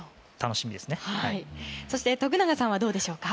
そして、徳永さんはどうでしょうか。